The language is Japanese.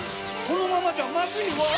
このままじゃまずいわ！